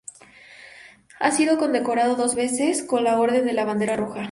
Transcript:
Ha sido condecorado dos veces con la Orden de la Bandera Roja.